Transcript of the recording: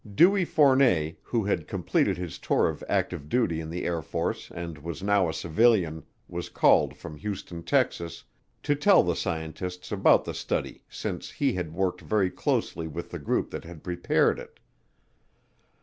Dewey Fournet, who had completed his tour of active duty in the Air Force and was now a civilian, was called from Houston, Texas, to tell the scientists about the study since he had worked very closely with the group that had prepared it.